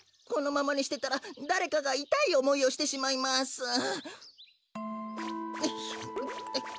このままにしてたらだれかがいたいおもいをしてしまいます。